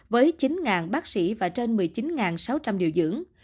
với chín bác sĩ và trên một mươi chín sáu trăm linh điều dưỡng